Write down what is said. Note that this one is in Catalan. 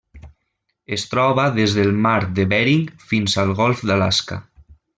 Es troba des del mar de Bering fins al Golf d'Alaska.